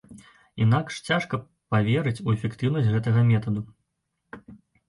Інакш цяжка паверыць у эфектыўнасць гэтага метаду.